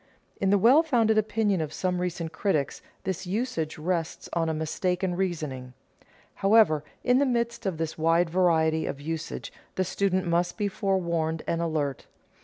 In the well founded opinion of some recent critics this usage rests on a mistaken reasoning. However, in the midst of this wide variety of usage the student must be forewarned and alert.